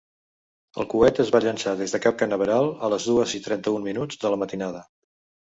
El coet es va llançar des de Cap Canaveral a les dues i trenta-un minuts de la matinada.